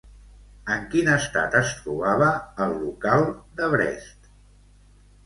En quin estat es trobava el local de Brest?